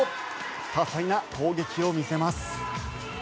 多彩な攻撃を見せます。